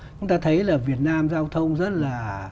chúng ta thấy là việt nam giao thông rất là